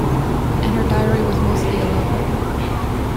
And her diary was mostly a love-letter.